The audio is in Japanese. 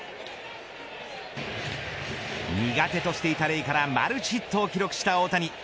苦手としてたレイからマルチヒットを記録した大谷。